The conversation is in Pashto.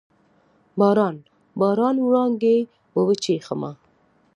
باران، باران وړانګې به وچیښمه